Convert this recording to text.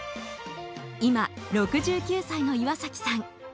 今、６９歳の岩崎さん。